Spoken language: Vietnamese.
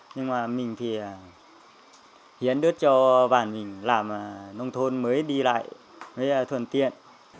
nhưng mà mình thì hiến đứt cho bản mình làm nông thôn mới đi lại với thuần tiện